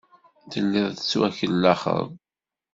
Telliḍ tettwakellaxeḍ.